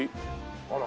あら。